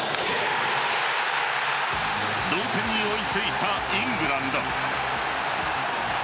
同点に追いついたイングランド。